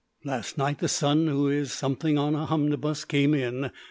Last night the son who is "something on a homnibus" came in.